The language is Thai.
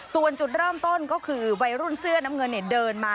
ส่วนจุดเริ่มต้นก็คือวัยรุ่นเสื้อน้ำเงินเดินมา